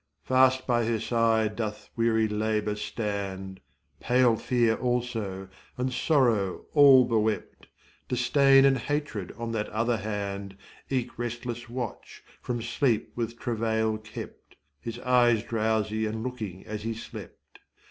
Fast by her side doth weary Labour stand Pale Fear also, and sorrow all bewept, Disdain and Hatred on that other hand Eke8 restless watch, from sleep with travail kept, His eyes drowsy and looking as he slept.